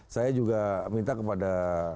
saya juga minta kepada